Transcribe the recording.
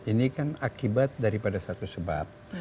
ini kan akibat daripada satu sebab